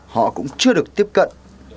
họ cũng chưa được tiếp cận